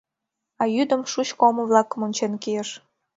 А йӱдым шучко омо-влакым ончен кийыш.